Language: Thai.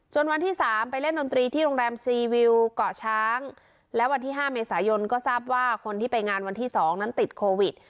วันที่๓ไปเล่นดนตรีที่โรงแรมซีวิวเกาะช้างและวันที่๕เมษายนก็ทราบว่าคนที่ไปงานวันที่๒นั้นติดโควิด